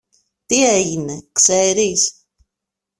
Τι έγινε, ξέρεις;